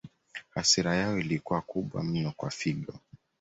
Hasira yao ilikuwa kubwa mno kwa Figo